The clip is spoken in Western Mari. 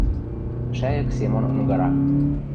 — Шӓйӹк Семон ынгара.